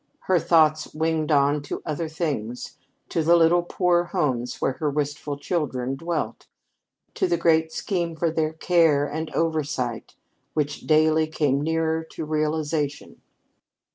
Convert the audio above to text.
Her thoughts winged on to other things to the little poor homes where her wistful children dwelt, to the great scheme for their care and oversight which daily came nearer to realization.